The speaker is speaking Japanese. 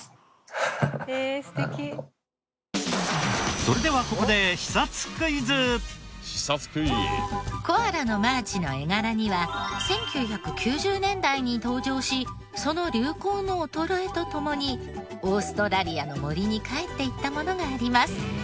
それではここでコアラのマーチの絵柄には１９９０年代に登場しその流行の衰えと共にオーストラリアの森に帰っていったものがあります。